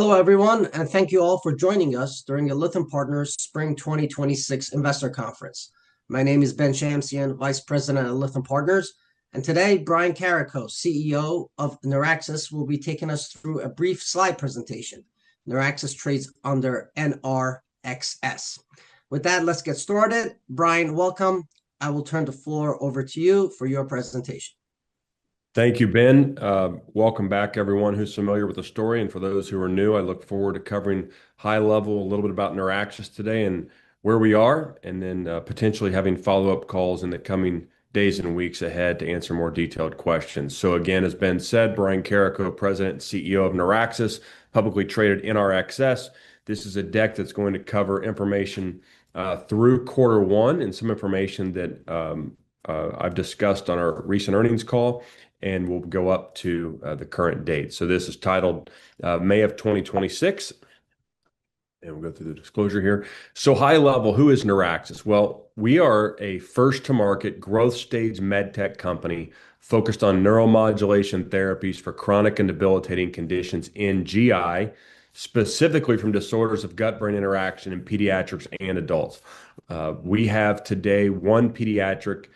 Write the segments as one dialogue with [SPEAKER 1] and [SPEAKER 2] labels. [SPEAKER 1] Hello, everyone, and thank you all for joining us during the Lytham Partners Spring 2026 investor conference. My name is Ben Shamsian, Vice President of Lytham Partners, and today Brian Carrico, CEO of NeurAxis, will be taking us through a brief slide presentation. NeurAxis trades under NRXS. With that, let's get started. Brian, welcome. I will turn the floor over to you for your presentation.
[SPEAKER 2] Thank you, Ben. Welcome back, everyone who's familiar with the story, and for those who are new, I look forward to covering high level a little bit about NeurAxis today and where we are, and then potentially having follow-up calls in the coming days and weeks ahead to answer more detailed questions. Again, as Ben said, Brian Carrico, President and CEO of NeurAxis, a publicly traded NRXS. This is a deck that's going to cover information through quarter one and some information that I've discussed on our recent earnings call, and we'll go up to the current date. This is titled May of 2026, and we'll go through the disclosure here. High level, who is NeurAxis? Well, we are a first-to-market growth stage med tech company focused on neuromodulation therapies for chronic and debilitating conditions in GI, specifically from disorders of gut-brain interaction in pediatrics and adults. We have today one pediatric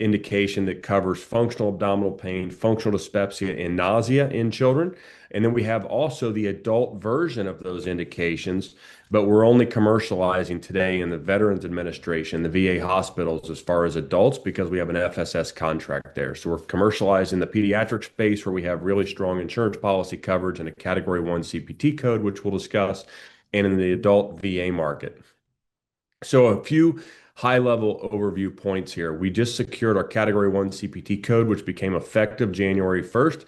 [SPEAKER 2] indication that covers functional abdominal pain, functional dyspepsia, and nausea in children. We also have the adult version of those indications, but we're only commercializing today in the Veterans Administration, the VA hospitals, as far as adults, because we have an FSS contract there. We're commercializing the pediatric space where we have really strong insurance policy coverage and a Category 1 CPT code, which we'll discuss, and in the adult VA market. A few high-level overview points here. We just secured our Category 1 CPT code, which became effective January 1st.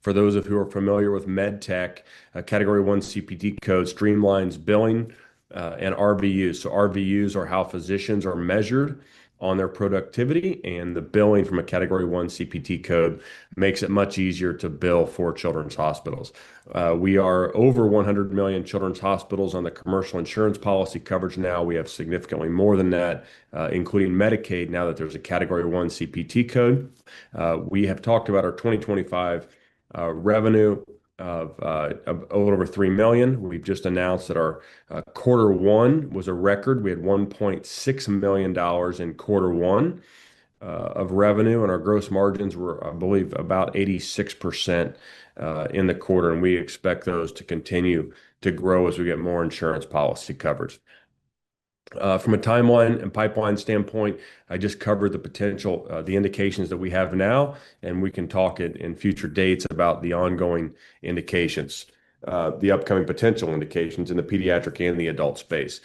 [SPEAKER 2] For those of you who are familiar with med tech, a Category 1 CPT code streamlines billing and RVUs. RVUs are how physicians are measured on their productivity, and the billing from a Category 1 CPT code makes it much easier to bill for children's hospitals. We have over 100 million children's hospitals on the commercial insurance policy coverage now. We have significantly more than that, including Medicaid, now that there's a Category 1 CPT code. We have talked about our 2025 revenue of a little over $3 million. We've just announced that our quarter one was a record. We had $1.6 million in quarter one of revenue. Our gross margins were, I believe, about 86% in the quarter. We expect those to continue to grow as we get more insurance policy coverage. From a timeline and pipeline standpoint, I just covered the indications that we have now. We can talk on future dates about the ongoing indications and the upcoming potential indications in the pediatric and adult space.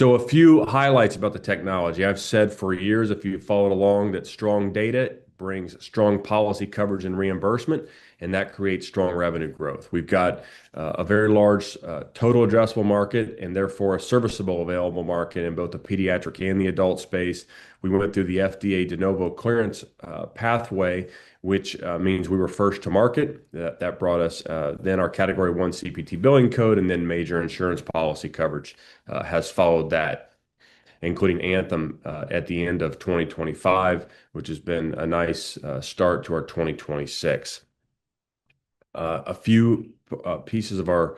[SPEAKER 2] A few highlights about the technology. I've said for years, if you've followed along, that strong data brings strong policy coverage and reimbursement, and that creates strong revenue growth. We've got a very large total addressable market and therefore a serviceable available market in both the pediatric and the adult space. We went through the FDA De Novo clearance pathway, which means we were first to market. That brought us then our Category 1 CPT billing code, and then major insurance policy coverage has followed that, including Anthem at the end of 2025, which has been a nice start to our 2026. A few pieces of our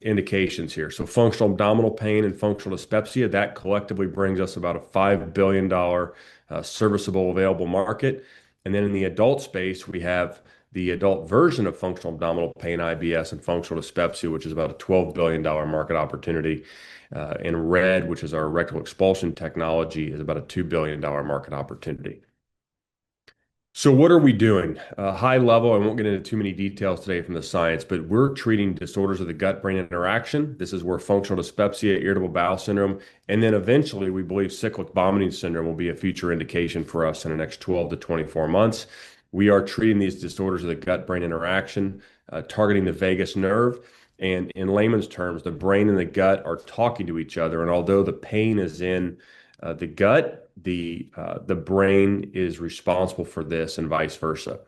[SPEAKER 2] indications here. Functional abdominal pain and functional dyspepsia collectively bring us about a $5 billion serviceable available market. In the adult space, we have the adult version of functional abdominal pain, IBS, and functional dyspepsia, which is about a $12 billion market opportunity. RED, which is our rectal expulsion technology, is about a $2 billion market opportunity. What are we doing? High level, I won't get into too many details today from the science; we're treating disorders of the gut-brain interaction. This is where functional dyspepsia, irritable bowel syndrome, and eventually, we believe, cyclic vomiting syndrome will be a future indication for us in the next 12 -24 months. We are treating these disorders of the gut-brain interaction, targeting the vagus nerve. In layman's terms, the brain and the gut are talking to each other, and although the pain is in the gut, the brain is responsible for this and vice versa.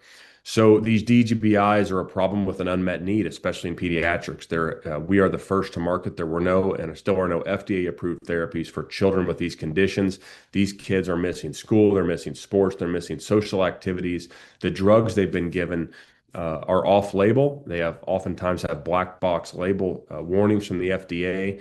[SPEAKER 2] These DGBIs are a problem with an unmet need, especially in pediatrics. We are the first to market. There were no, and there still are no, FDA-approved therapies for children with these conditions. These kids are missing school, they're missing sports, they're missing social activities. The drugs they've been given are off-label. They oftentimes have black box label warnings from the FDA.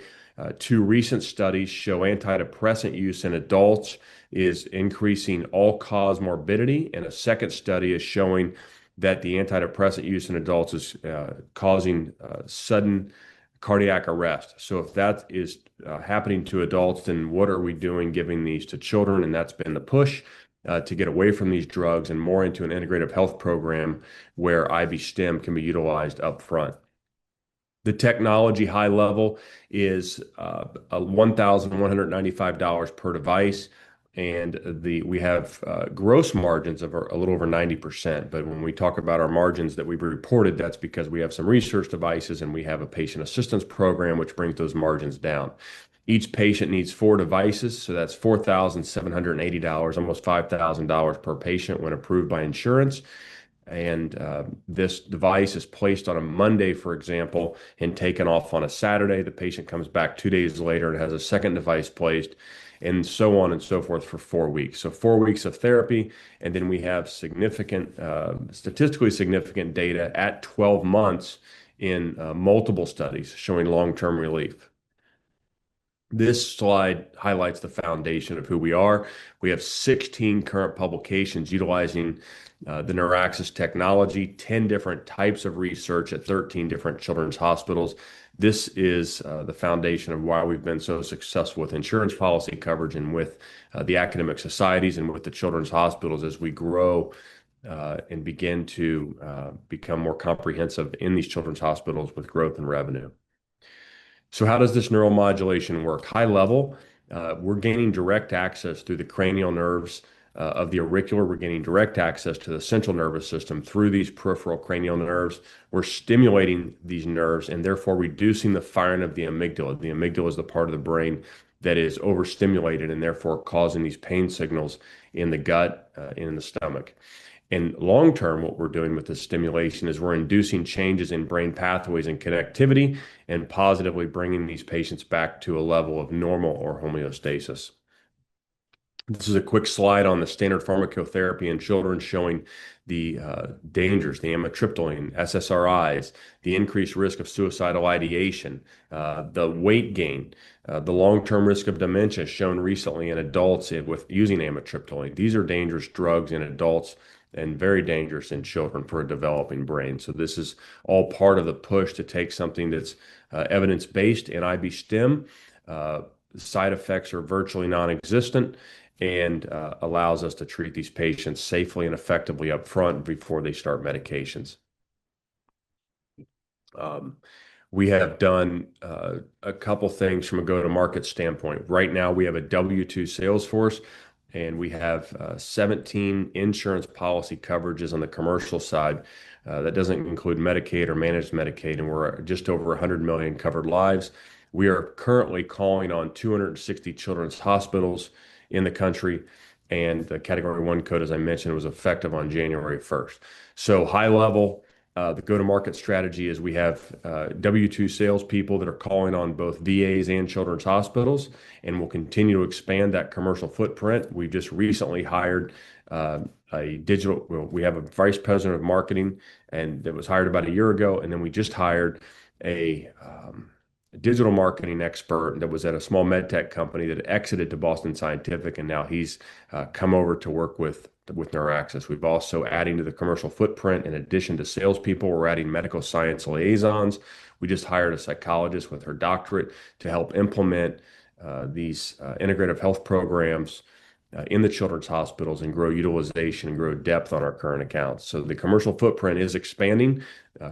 [SPEAKER 2] Two recent studies show antidepressant use in adults is increasing all-cause morbidity. A second study is showing that the antidepressant use in adults is causing sudden cardiac arrest. If that is happening to adults, what are we doing giving these to children? That's been the push, to get away from these drugs and more into an integrative health program where IB-Stim can be utilized up front. The technology high level is $1,195 per device. We have gross margins of a little over 90%. When we talk about our margins that we've reported, that's because we have some research devices. We have a patient assistance program that brings those margins down. Each patient needs four devices, so that's $4,780, almost $5,000 per patient when approved by insurance. This device is placed on a Monday, for example, and taken off on a Saturday. The patient comes back two days later and has a second device placed, and so on and so forth for four weeks. Four weeks of therapy, and then we have statistically significant data at 12 months in multiple studies showing long-term relief. This slide highlights the foundation of who we are. We have 16 current publications utilizing the NeurAxis technology and 10 different types of research at 13 different children's hospitals. This is the foundation of why we've been so successful with insurance policy coverage and with the academic societies and with the children's hospitals as we grow and begin to become more comprehensive in these children's hospitals with growth and revenue. How does this neuromodulation work? High level, we're gaining direct access through the cranial nerves of the auricle. We're gaining direct access to the central nervous system through these peripheral cranial nerves. We're stimulating these nerves and therefore reducing the firing of the amygdala. The amygdala is the part of the brain that is overstimulated and therefore causing these pain signals in the gut, in the stomach. In long term, what we're doing with this stimulation is we're inducing changes in brain pathways and connectivity, and positively bringing these patients back to a level of normal or homeostasis. This is a quick slide on the standard pharmacotherapy in children showing the dangers, the amitriptyline, SSRIs, the increased risk of suicidal ideation, the weight gain, the long-term risk of dementia shown recently in adults with using amitriptyline. These are dangerous drugs in adults and very dangerous in children for a developing brain. This is all part of the push to take something that's evidence-based in IB-Stim. Side effects are virtually non-existent and allow us to treat these patients safely and effectively upfront before they start medications. We have done a couple things from a go-to-market standpoint. Right now, we have a W2 sales force, and we have 17 insurance policy coverages on the commercial side. That doesn't include Medicaid or managed Medicaid, and we're just over 100 million covered lives. We are currently calling on 260 children's hospitals in the country, and the category 1 code, as I mentioned, was effective on January 1st. High level, the go-to-market strategy is we have W2 salespeople that are calling on both VAs and children's hospitals, and we'll continue to expand that commercial footprint. We've just recently hired a digital. Well, we have a vice president of marketing, and that was hired about a year ago, and then we just hired a digital marketing expert who was at a small med tech company that exited to Boston Scientific, and now he's come over to work with NeurAxis. We've also added to the commercial footprint. In addition to salespeople, we're adding medical science liaisons. We just hired a psychologist with her doctorate to help implement these integrative health programs in the children's hospitals and grow utilization and grow depth on our current accounts. The commercial footprint is expanding.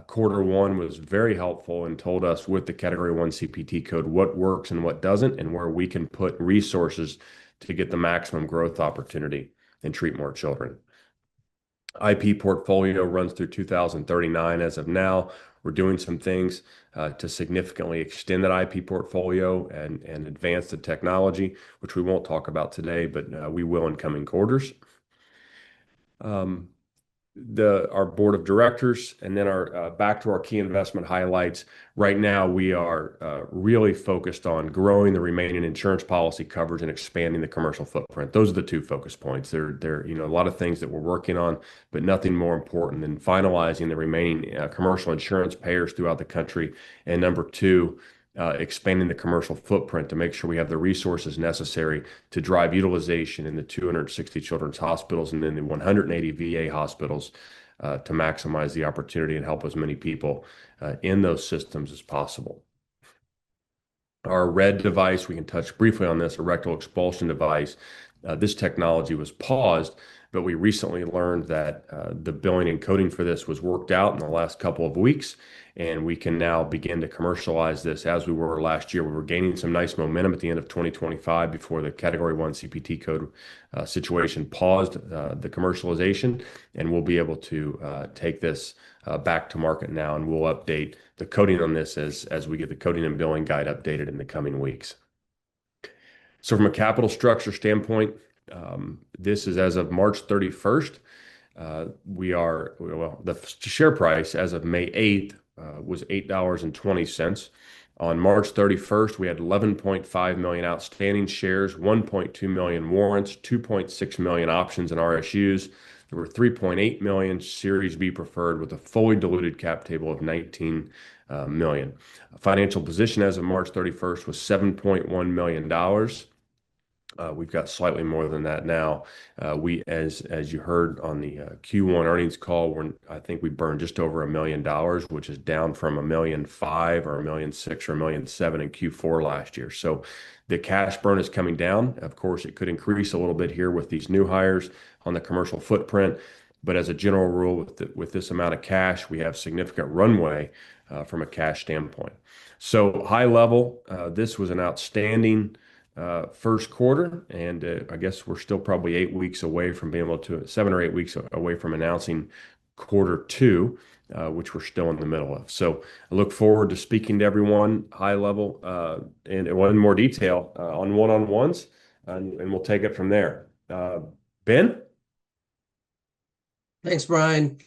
[SPEAKER 2] Quarter one was very helpful and told us with the Category 1 CPT code what works and what doesn't and where we can put resources to get the maximum growth opportunity and treat more children. IP portfolio runs through 2039 as of now. We're doing some things to significantly extend that IP portfolio and advance the technology, which we won't talk about today, but we will in coming quarters. Our board of directors and then back to our key investment highlights. Right now, we are really focused on growing the remaining insurance policy coverage and expanding the commercial footprint. Those are the two focus points. There are a lot of things that we're working on, but nothing is more important than finalizing the remaining commercial insurance payers throughout the country. Number two, expanding the commercial footprint to make sure we have the resources necessary to drive utilization in the 260 children's hospitals and in the 180 VA hospitals, to maximize the opportunity and help as many people in those systems as possible. Our RED device, we can touch briefly on this—is a Rectal Expulsion Device. This technology was paused. We recently learned that the billing and coding for this was worked out in the last couple of weeks. We can now begin to commercialize this as we were last year. We were gaining some nice momentum at the end of 2025 before the category 1 CPT code situation paused the commercialization. We'll be able to take this back to market now. We'll update the coding on this as we get the coding and billing guide updated in the coming weeks. From a capital structure standpoint, this is as of March 31st. The share price as of May 8th was $8.20. On March 31st, we had 11.5 million outstanding shares, 1.2 million warrants, and 2.6 million options in RSUs. There were 3.8 million Series B preferred with a fully diluted cap table of 19 million. Financial position as of March 31st was $7.1 million. We've got slightly more than that now. As you heard on the Q1 earnings call, I think we burned just over $1 million, which is down from $1.5 million or $1.6 million or $1.7 million in Q4 last year. The cash burn is coming down. Of course, it could increase a little bit here with these new hires on the commercial footprint. As a general rule, with this amount of cash, we have significant runway from a cash standpoint. High level, this was an outstanding first quarter, and I guess we're still probably seven or eight weeks away from announcing quarter two, which we're still in the middle of. I look forward to speaking to everyone at a high level and in more detail on one-on-ones, and we'll take it from there. Ben?
[SPEAKER 1] Thanks, Brian.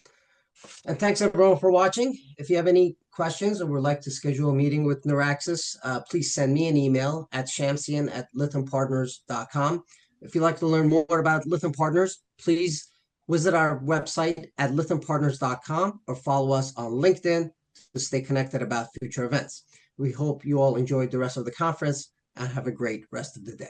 [SPEAKER 1] Thanks, everyone, for watching. If you have any questions or would like to schedule a meeting with NeurAxis, please send me an email at shamsian@lythampartners.com. If you'd like to learn more about Lytham Partners, please visit our website at lythampartners.com or follow us on LinkedIn to stay connected about future events. We hope you all enjoy the rest of the conference and have a great rest of the day.